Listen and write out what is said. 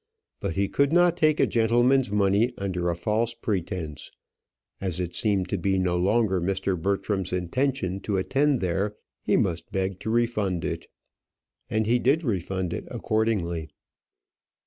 But he could not take a gentleman's money under a false pretence; as it seemed to be no longer Mr. Bertram's intention to attend there, he must beg to refund it." And he did refund it accordingly.